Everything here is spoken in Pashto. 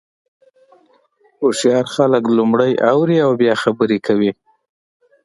هوښیار خلک لومړی اوري او بیا خبرې کوي.